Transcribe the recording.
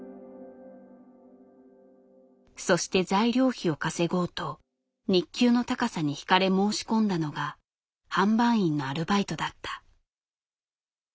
そして材料費を稼ごうと日給の高さに惹かれ申し込んだのが販売員のアルバイトだった。